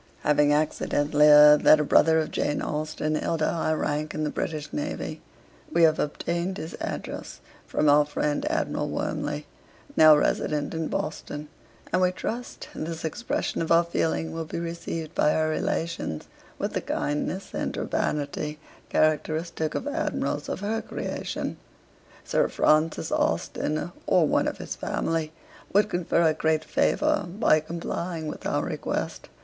'Having accidentally heard that a brother of Jane Austen held a high rank in the British Navy, we have obtained his address from our friend Admiral Wormley, now resident in Boston, and we trust this expression of our feeling will be received by her relations with the kindness and urbanity characteristic of Admirals of her creation. Sir Francis Austen, or one of his family, would confer a great favour by complying with our request.